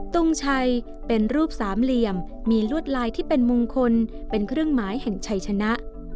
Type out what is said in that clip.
ตรงชัยเป็นรูปสามเหลี่ยมมีลวดลายที่เป็นมงคลเป็นเครื่องหมายแห่งชัยชนะ